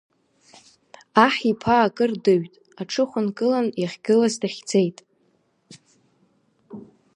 Аҳ иԥа акыр дыҩт, аҽыхәа нкылан иахьгылаз дахьӡеит.